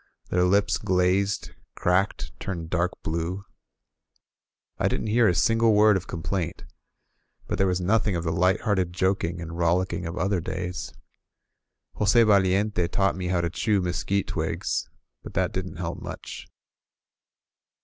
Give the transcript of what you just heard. Their lips glazed, cracked, turned dark blue. I didn't hear a single word of complaint; but there was nothing of the lighthearted joking and rollicking of other days. Jos6 Valiente taught me how to chew mesquite twigs, but that didn't help much.